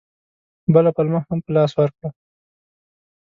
بله پلمه هم په لاس ورکړه.